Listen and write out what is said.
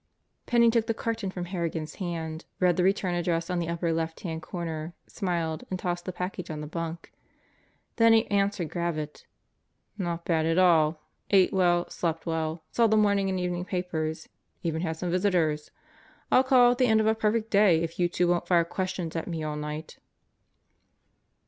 Penney took the carton from Harrigan's hand, read the return address on the upper left hand corner, smiled, and tossed the package on the bunk. Then he answered Gravitt. "Not bad at all. Ate well. Slept well. Saw the morning and evening papers., Even had some visitors. I'll call it the end of a perfect day if you two won't fire questions at me all night."